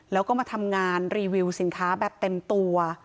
แล้วก็มาทำงานรีวิวสินค้าแบบเต็มตัว